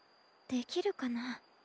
できるかな。